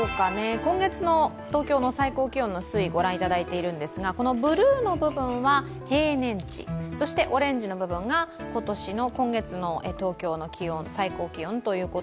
今月の東京の最高気温の推移をご覧いただいているのですが、このブルーの部分は平年値、オレンジの部分が今月の東京の最高気温です。